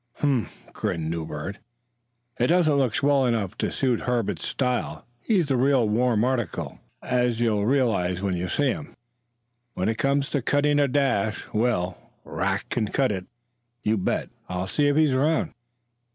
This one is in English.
"Humph!" grinned Newbert. "It doesn't look swell enough to suit Herb's style. He's the real warm article, as you'll realize when you see him. When it comes to cutting a dash well, Rack can cut it, you bet. I'll see if he's around."